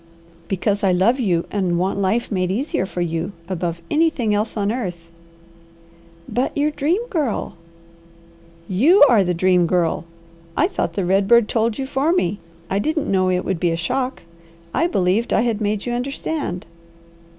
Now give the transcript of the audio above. "Because I love you, and want life made easier for you, above anything else on earth." "But your Dream Girl!" "YOU ARE THE DREAM GIRL! I thought the red bird told you for me! I didn't know it would be a shock. I believed I had made you understand."